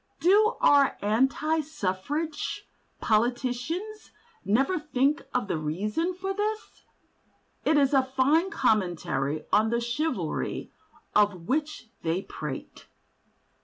Do our anti suffrage politicians never think of the reason for this? It is a fine commentary on the "Chivalry" of which they prate.